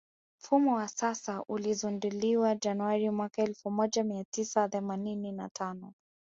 Mfumo wa sasa ulizinduliwa Januari mwaka elfu moja mia tisa themanini na tano